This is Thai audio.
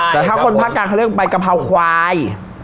ถ้าคนภักดิ์กลางเข้าได้เป็นใบกะเพราควาย